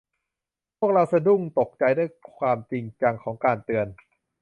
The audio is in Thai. พวกเราสะดุ้งตกใจด้วยความจริงจังของการเตือน